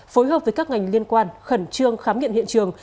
phối hợp với các ngành liên quan khẩn trương khám nghiệm hiện trường